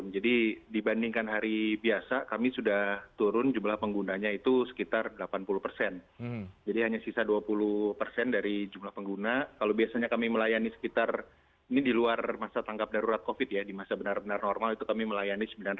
jadi bukan beroperasi seperti biasa ya